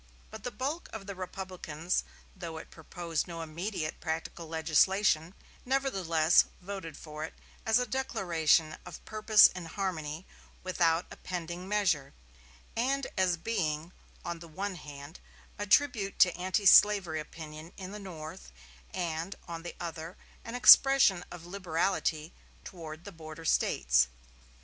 But the bulk of the Republicans, though it proposed no immediate practical legislation, nevertheless voted for it, as a declaration of purpose in harmony with a pending measure, and as being, on the one hand, a tribute to antislavery opinion in the North, and, on the other, an expression of liberality toward the border States.